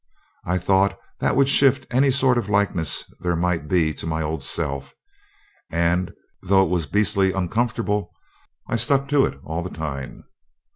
I thought that would shift any sort of likeness there might be to my old self, and, though it was beastly uncomfortable, I stuck to it all the time.